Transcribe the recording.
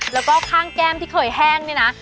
แล้วก็ข้างแก้มที่เคยแห้งเนี่ยนะ